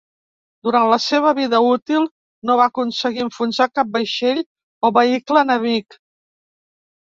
Durant la seva vida útil, no va aconseguir enfonsar cap vaixell o vehicle enemic.